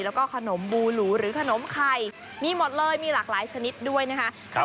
แล้วก็ขนมบูหลูหรือขนมไข่มีหมดเลยมีหลากหลายชนิดด้วยนะคะ